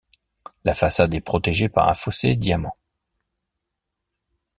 La façade est protégée par un fossé diamant.